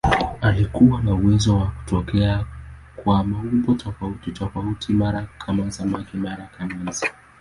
Alikuwa na uwezo wa kutokea kwa maumbo tofautitofauti, mara kama samaki, mara kama nzi.